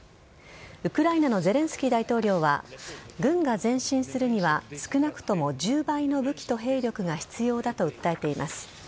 ウクライナのゼレンスキー大統領は軍が前進するには少なくとも１０倍の武器と兵力が必要だと訴えています。